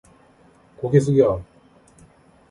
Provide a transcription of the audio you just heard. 고개 숙여!